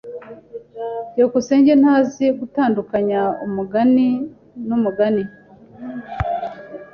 byukusenge ntazi gutandukanya umugani numugani.